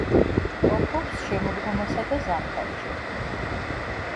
ტოფობს შემოდგომასა და ზამთარში.